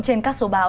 trên các số báo